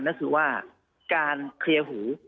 นั่นคือว่าการเคลียร์หู